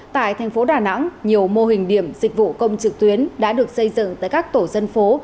tại thành phố đà nẵng nhiều mô hình điểm dịch vụ công trực tuyến đã được xây dựng tại các tổ dân phố